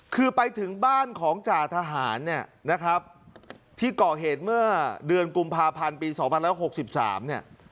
คือไปถึงบ้านของจ่าทหารเนี่ยนะครับที่ก่อเหตุเมื่อเดือนกุมภาพันธ์ปี๒๐๖๓เนี่ย